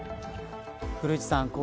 古市さん